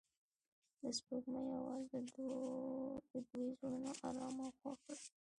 د سپوږمۍ اواز د دوی زړونه ارامه او خوښ کړل.